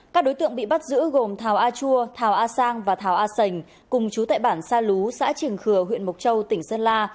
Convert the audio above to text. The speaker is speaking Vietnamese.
các đối tượng bị bắt giữ gồm thảo a chua thảo a sang và thảo a sành cùng chú tại bản sa lũ xã trường khừa huyện mộc châu tỉnh sơn la